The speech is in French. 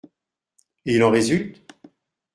Et il en résulte ?